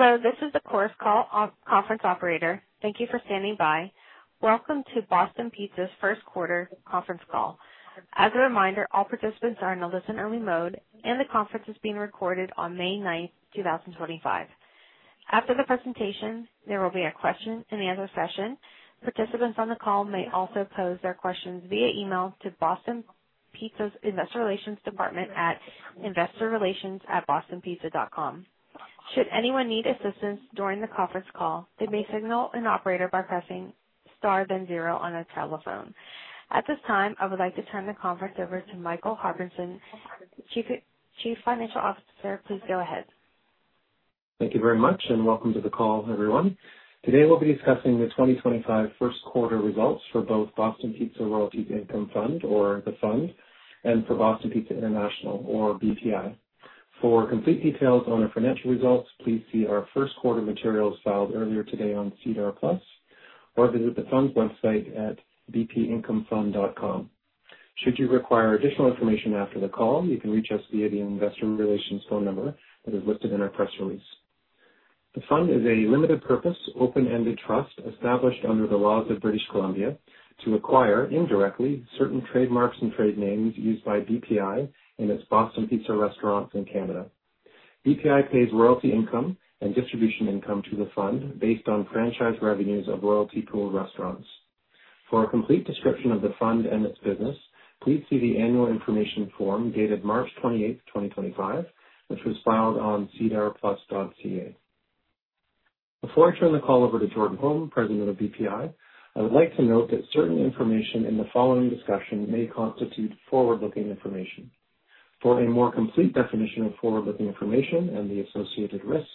Hello, this is the course call conference operator. Thank you for standing by. Welcome to Boston Pizza's first quarter conference call. As a reminder, all participants are in a listen-only mode, and the conference is being recorded on May 9, 2025. After the presentation, there will be a question-and-answer session. Participants on the call may also pose their questions via email to Boston Pizza's Investor Relations Department at investorrelations@bostonpizza.com. Should anyone need assistance during the conference call, they may signal an operator by pressing star then zero on a telephone. At this time, I would like to turn the conference over to Michael Harbinson, Chief Financial Officer. Please go ahead. Thank you very much, and welcome to the call, everyone. Today, we'll be discussing the 2025 first quarter results for both Boston Pizza Royalties Income Fund, or the Fund, and for Boston Pizza International, or BPI. For complete details on our financial results, please see our first quarter materials filed earlier today on SEDAR+, or visit the Fund's website at bpincomefund.com. Should you require additional information after the call, you can reach us via the Investor Relations phone number that is listed in our press release. The Fund is a limited-purpose, open-ended trust established under the laws of British Columbia to acquire, indirectly, certain trademarks and trade names used by BPI and its Boston Pizza restaurants in Canada. BPI pays royalty income and distribution income to the Fund based on franchise revenues of royalty-pooled restaurants. For a complete description of the Fund and its business, please see the annual information form dated March 28th, 2025, which was filed on sedarplus.ca. Before I turn the call over to Jordan Holm, President of BPI, I would like to note that certain information in the following discussion may constitute forward-looking information. For a more complete definition of forward-looking information and the associated risks,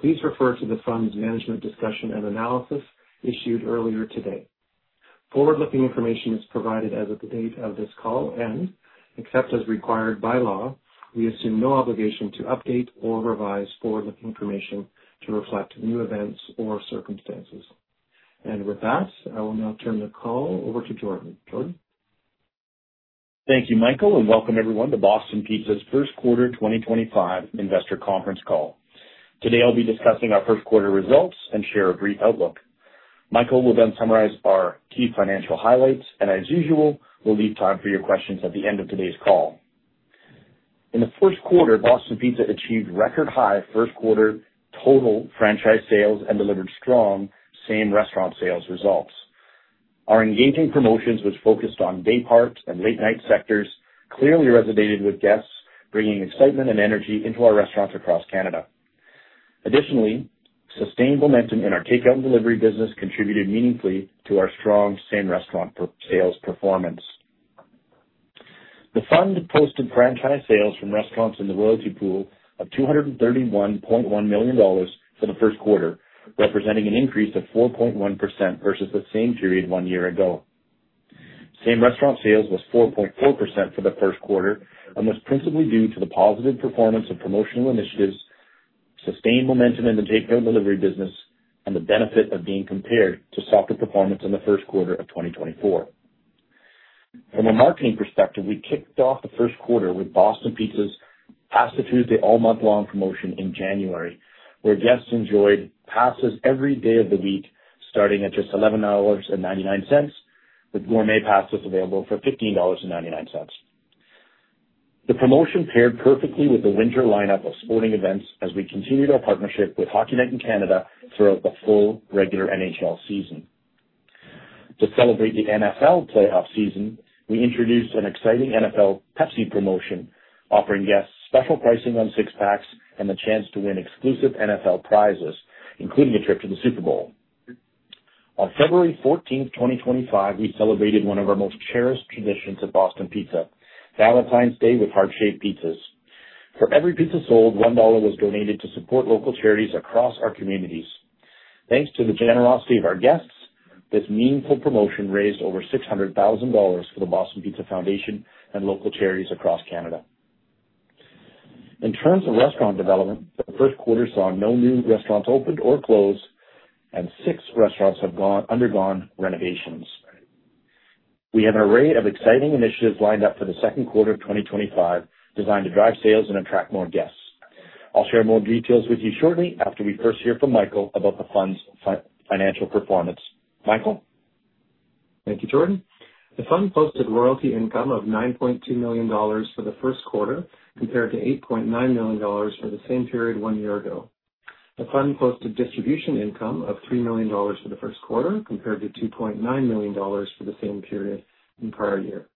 please refer to the Fund's management discussion and analysis issued earlier today. Forward-looking information is provided as of the date of this call and, except as required by law, we assume no obligation to update or revise forward-looking information to reflect new events or circumstances. I will now turn the call over to Jordan. Jordan? Thank you, Michael, and welcome everyone to Boston Pizza's first quarter 2025 investor conference call. Today, I'll be discussing our first quarter results and share a brief outlook. Michael will then summarize our key financial highlights, and as usual, we'll leave time for your questions at the end of today's call. In the first quarter, Boston Pizza achieved record-high first quarter total franchise sales and delivered strong same restaurant sales results. Our engaging promotions, which focused on dayparts and late-night sectors, clearly resonated with guests, bringing excitement and energy into our restaurants across Canada. Additionally, sustained momentum in our takeout and delivery business contributed meaningfully to our strong same restaurant sales performance. The Fund posted franchise sales from restaurants in the royalty pool of 231.1 million dollars for the first quarter, representing an increase of 4.1% versus the same period one year ago. Same restaurant sales was 4.4% for the first quarter and was principally due to the positive performance of promotional initiatives, sustained momentum in the takeout and delivery business, and the benefit of being compared to softer performance in the first quarter of 2023. From a marketing perspective, we kicked off the first quarter with Boston Pizza's Pasta Tuesday all-month-long promotion in January, where guests enjoyed pastas every day of the week starting at just 11.99 dollars, with gourmet pastas available for 15.99 dollars. The promotion paired perfectly with the winter lineup of sporting events as we continued our partnership with Hockey Night in Canada throughout the full regular NHL season. To celebrate the NFL playoff season, we introduced an exciting NFL Pepsi promotion, offering guests special pricing on six-packs and the chance to win exclusive NFL prizes, including a trip to the Super Bowl. On February 14th, 2025, we celebrated one of our most cherished traditions at Boston Pizza, Valentine's Day with heart-shaped pizzas. For every pizza sold, 1 dollar was donated to support local charities across our communities. Thanks to the generosity of our guests, this meaningful promotion raised over 600,000 dollars for the Boston Pizza Foundation and local charities across Canada. In terms of restaurant development, the first quarter saw no new restaurants opened or closed, and six restaurants have undergone renovations. We have an array of exciting initiatives lined up for the second quarter of 2025, designed to drive sales and attract more guests. I'll share more details with you shortly after we first hear from Michael about the Fund's financial performance. Michael? Thank you, Jordan. The Fund posted royalty income of 9.2 million dollars for the first quarter, compared to 8.9 million dollars for the same period one year ago. The Fund posted distribution income of 3 million dollars for the first quarter, compared to 2.9 million dollars for the same period in the prior year.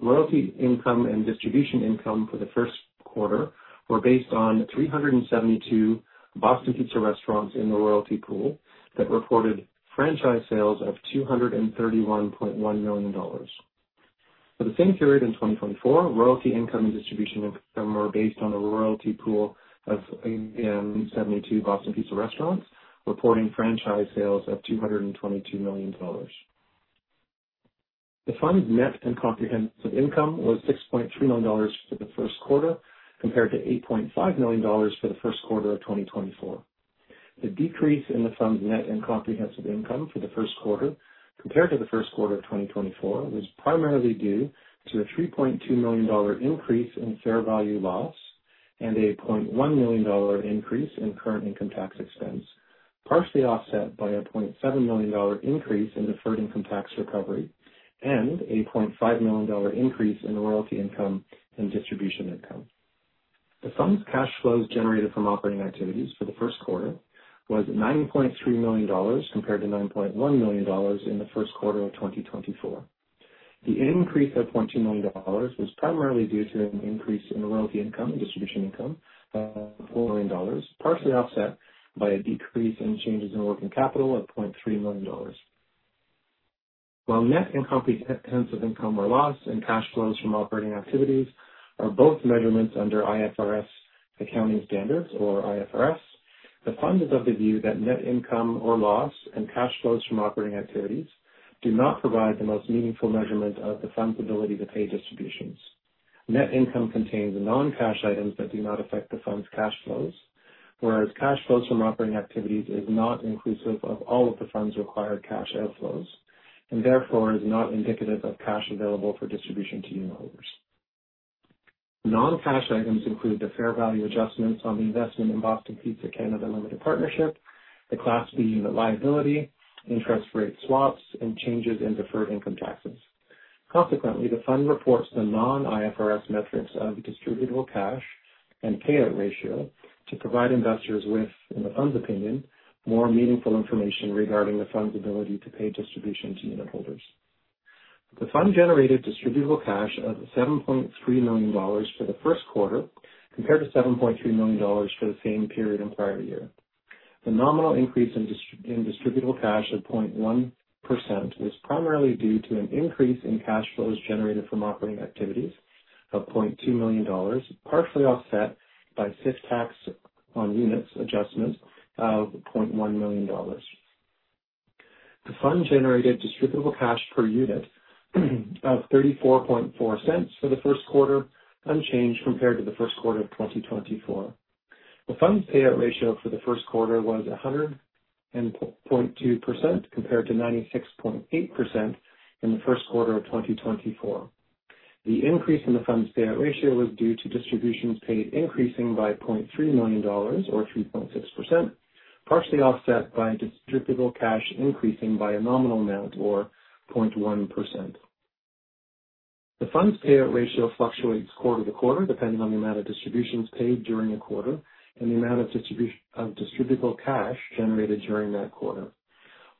Royalty income and distribution income for the first quarter were based on 372 Boston Pizza restaurants in the royalty pool that reported franchise sales of 231.1 million dollars. For the same period in 2024, royalty income and distribution income were based on the royalty pool of 72 Boston Pizza restaurants, reporting franchise sales of 222 million dollars. The Fund's net and comprehensive income was 6.3 million dollars for the first quarter, compared to 8.5 million dollars for the first quarter of 2024. The decrease in the Fund's net and comprehensive income for the first quarter, compared to the first quarter of 2024, was primarily due to a 3.2 million dollar increase in fair value loss and a 100,000 dollar increase in current income tax expense, partially offset by a 700,000 dollar increase in deferred income tax recovery and a 500,000 dollar increase in royalty income and distribution income. The Fund's cash flows generated from operating activities for the first quarter was 9.3 million dollars, compared to 9.1 million dollars in the first quarter of 2024. The increase of 200,000 dollars was primarily due to an increase in royalty income and distribution income of 4 million dollars, partially offset by a decrease in changes in working capital of 300,000 dollars. While net and comprehensive income or loss and cash flows from operating activities are both measurements under IFRS accounting standards, or IFRS, the Fund is of the view that net income or loss and cash flows from operating activities do not provide the most meaningful measurement of the Fund's ability to pay distributions. Net income contains non-cash items that do not affect the Fund's cash flows, whereas cash flows from operating activities is not inclusive of all of the Fund's required cash outflows and therefore is not indicative of cash available for distribution to unitholders. Non-cash items include the fair value adjustments on the investment in Boston Pizza Canada Limited Partnership, the Class B unit liability, interest rate swaps, and changes in deferred income taxes. Consequently, the Fund reports the non-IFRS metrics of distributable cash and payout ratio to provide investors with, in the Fund's opinion, more meaningful information regarding the Fund's ability to pay distribution to unitholders. The Fund generated distributable cash of 7.3 million dollars for the first quarter, compared to 7.3 million dollars for the same period in the prior year. The nominal increase in distributable cash of 0.1% was primarily due to an increase in cash flows generated from operating activities of 200,000 dollars, partially offset by six-packs on units adjustment of 100,000 dollars. The Fund generated distributable cash per unit of 0.344 for the first quarter, unchanged compared to the first quarter of 2024. The Fund's payout ratio for the first quarter was 100.2%, compared to 96.8% in the first quarter of 2024. The increase in the Fund's payout ratio was due to distributions paid increasing by 300,000 dollars or 3.6%, partially offset by distributable cash increasing by a nominal amount, or 0.1%. The Fund's payout ratio fluctuates quarter-to-quarter, depending on the amount of distributions paid during a quarter and the amount of distributable cash generated during that quarter.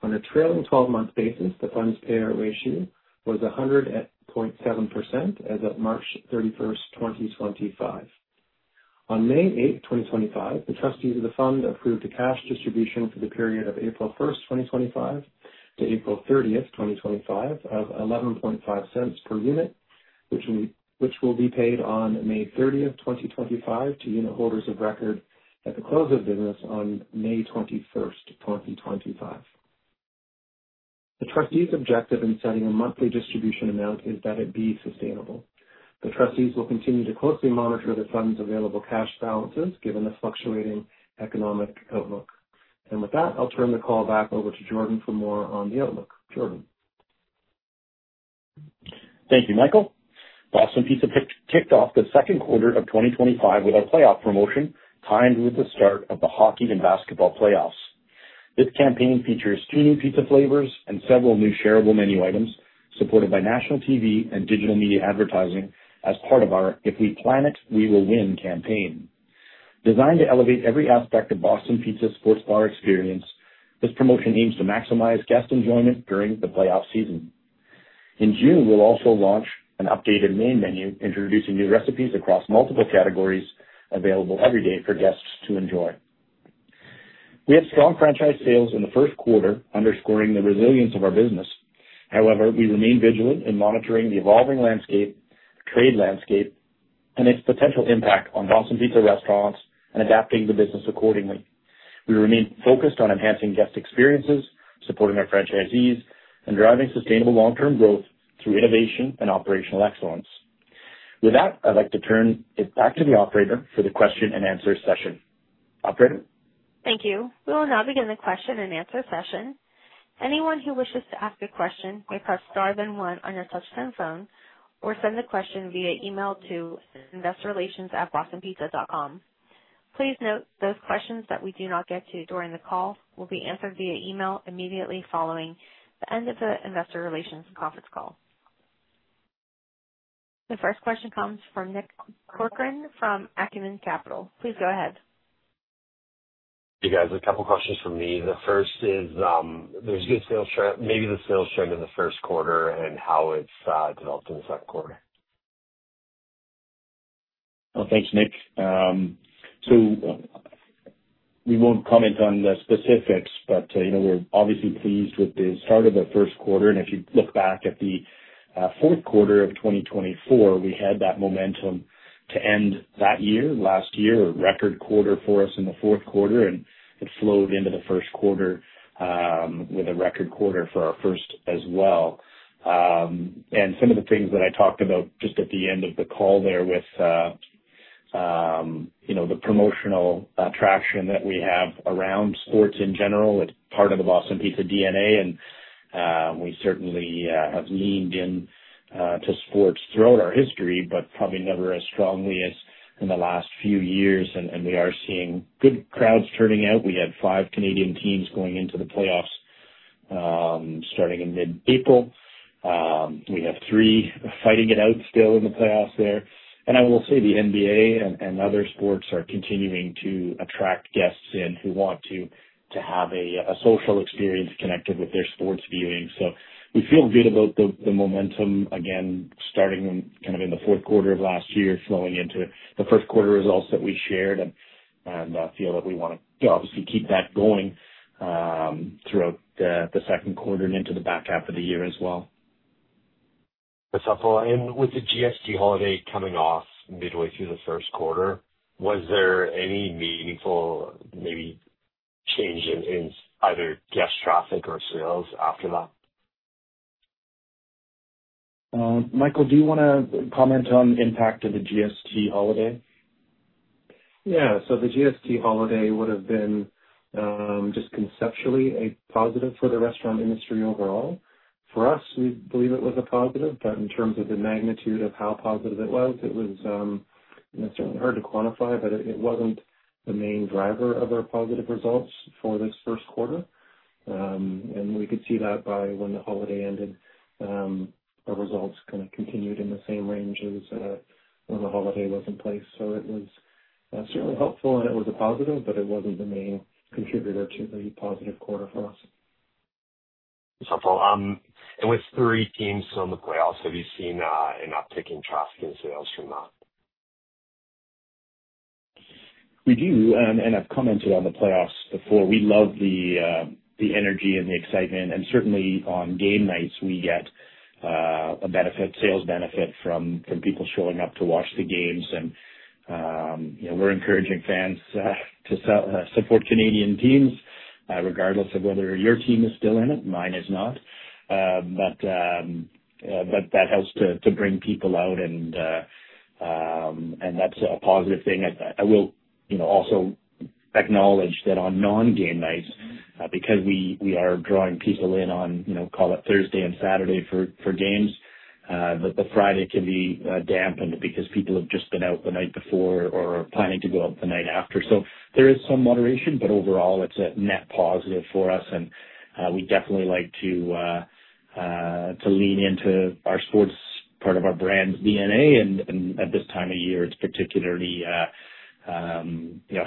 On a trailing 12-month basis, the Fund's payout ratio was 100.7% as of March 31st, 2025. On May 8th, 2025, the trustees of the Fund approved a cash distribution for the period of April 1st, 2025 to April 30th, 2025, of 11.50 per unit, which will be paid on May 30th, 2025, to unitholders of record at the close of business on May 21st, 2025. The trustees' objective in setting a monthly distribution amount is that it be sustainable. The trustees will continue to closely monitor the Fund's available cash balances, given the fluctuating economic outlook. I'll turn the call back over to Jordan for more on the outlook. Jordan. Thank you, Michael. Boston Pizza kicked off the second quarter of 2025 with our playoff promotion timed with the start of the Hockey and Basketball Playoffs. This campaign features two new pizza flavors and several new shareable menu items, supported by national TV and digital media advertising as part of our "If We Plan It, We Will Win" campaign. Designed to elevate every aspect of Boston Pizza's sports bar experience, this promotion aims to maximize guest enjoyment during the playoff season. In June, we will also launch an updated main menu introducing new recipes across multiple categories available every day for guests to enjoy. We had strong franchise sales in the first quarter, underscoring the resilience of our business. However, we remain vigilant in monitoring the evolving landscape, trade landscape, and its potential impact on Boston Pizza restaurants and adapting the business accordingly. We remain focused on enhancing guest experiences, supporting our franchisees, and driving sustainable long-term growth through innovation and operational excellence. With that, I'd like to turn it back to the operator for the question and answer session. Operator? Thank you. We will now begin the question and answer session. Anyone who wishes to ask a question may press star then one on your touchscreen phone or send the question via email to investorrelations@bostonpizza.com. Please note those questions that we do not get to during the call will be answered via email immediately following the end of the investor relations conference call. The first question comes from Nick Corcoran from Acumen Capital. Please go ahead. Hey, guys. A couple of questions from me. The first is, there's good sales trend, maybe the sales trend in the first quarter and how it's developed in the second quarter. Thanks, Nick. We will not comment on the specifics, but we are obviously pleased with the start of the first quarter. If you look back at the fourth quarter of 2024, we had that momentum to end that year, last year, a record quarter for us in the fourth quarter, and it flowed into the first quarter with a record quarter for our first as well. Some of the things that I talked about just at the end of the call there with the promotional traction that we have around sports in general, it is part of the Boston Pizza DNA, and we certainly have leaned into sports throughout our history, but probably never as strongly as in the last few years. We are seeing good crowds turning out. We had five Canadian teams going into the playoffs starting in mid-April. We have three fighting it out still in the playoffs there. I will say the NBA and other sports are continuing to attract guests in who want to have a social experience connected with their sports viewing. We feel good about the momentum again starting kind of in the fourth quarter of last year, flowing into the first quarter results that we shared, and I feel that we want to obviously keep that going throughout the second quarter and into the back half of the year as well. That's helpful. With the GST holiday coming off midway through the first quarter, was there any meaningful maybe change in either guest traffic or sales after that? Michael, do you want to comment on the impact of the GST holiday? Yeah. The GST holiday would have been just conceptually a positive for the restaurant industry overall. For us, we believe it was a positive, but in terms of the magnitude of how positive it was, it was certainly hard to quantify, but it was not the main driver of our positive results for this first quarter. We could see that by when the holiday ended, our results kind of continued in the same range as when the holiday was in place. It was certainly helpful, and it was a positive, but it was not the main contributor to the positive quarter for us. That's helpful. With three teams on the playoffs, have you seen an uptick in traffic and sales from that? We do. I have commented on the playoffs before. We love the energy and the excitement. Certainly on game nights, we get a sales benefit from people showing up to watch the games. We are encouraging fans to support Canadian teams, regardless of whether your team is still in it. Mine is not. That helps to bring people out, and that is a positive thing. I will also acknowledge that on non-game nights, because we are drawing people in on, call it Thursday and Saturday for games, the Friday can be dampened because people have just been out the night before or are planning to go out the night after. There is some moderation, but overall, it is a net positive for us. We definitely like to lean into our sports part of our brand's DNA. At this time of year, it's particularly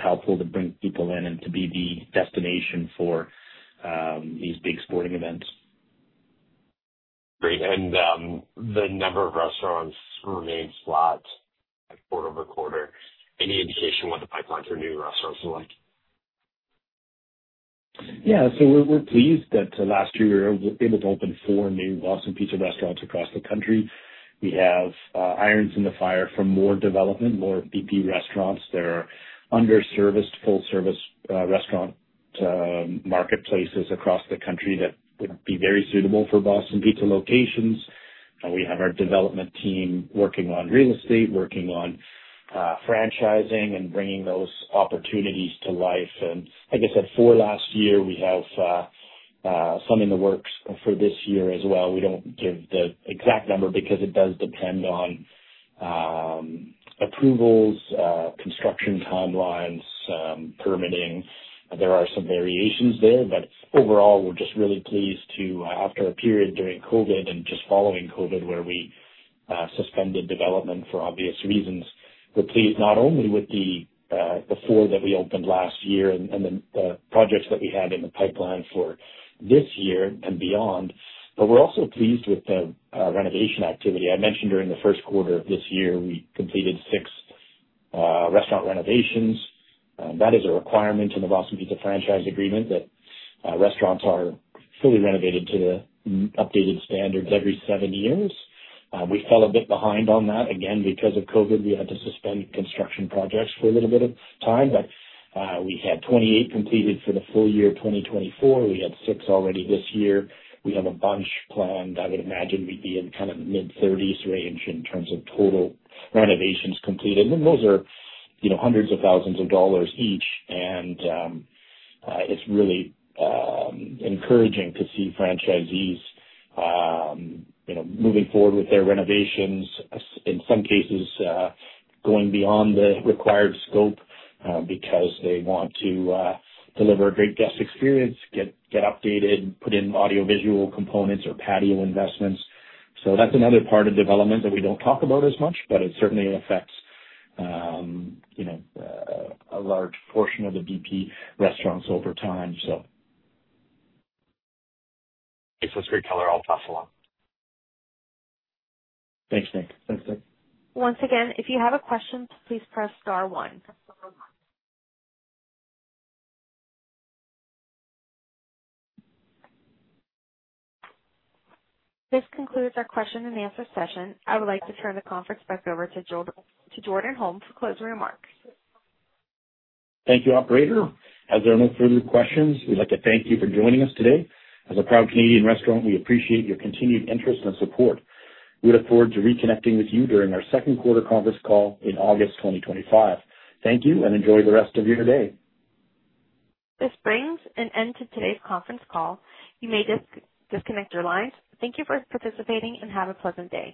helpful to bring people in and to be the destination for these big sporting events. Great. The number of restaurants remains flat quarter-over-quarter. Any indication what the pipeline for new restaurants looks like? Yeah. So we're pleased that last year we were able to open four new Boston Pizza restaurants across the country. We have irons in the fire for more development, more BP restaurants. There are underserviced, full-service restaurant marketplaces across the country that would be very suitable for Boston Pizza locations. We have our development team working on real estate, working on franchising and bringing those opportunities to life. Like I said, four last year, we have some in the works for this year as well. We do not give the exact number because it does depend on approvals, construction timelines, permitting. There are some variations there, but overall, we're just really pleased to, after a period during COVID and just following COVID where we suspended development for obvious reasons, we're pleased not only with the four that we opened last year and the projects that we had in the pipeline for this year and beyond, but we're also pleased with the renovation activity. I mentioned during the first quarter of this year, we completed six restaurant renovations. That is a requirement in the Boston Pizza franchise agreement that restaurants are fully renovated to the updated standards every seven years. We fell a bit behind on that. Again, because of COVID, we had to suspend construction projects for a little bit of time, but we had 28 completed for the full year 2024. We had six already this year. We have a bunch planned. I would imagine we'd be in kind of mid-30s range in terms of total renovations completed. And those are hundreds of thousands of dollars each. It's really encouraging to see franchisees moving forward with their renovations, in some cases going beyond the required scope because they want to deliver a great guest experience, get updated, put in audio-visual components or patio investments. That's another part of development that we don't talk about as much, but it certainly affects a large portion of the BP restaurants over time. Thanks for your color. I'll pass along. Thanks, Nick. Thanks, Nick. Once again, if you have a question, please press star one. This concludes our question and answer session. I would like to turn the conference back over to Jordan Holm for closing remarks. Thank you, Operator. As there are no further questions, we'd like to thank you for joining us today. As a proud Canadian restaurant, we appreciate your continued interest and support. We look forward to reconnecting with you during our second quarter conference call in August 2025. Thank you and enjoy the rest of your day. This brings an end to today's conference call. You may disconnect your lines. Thank you for participating and have a pleasant day.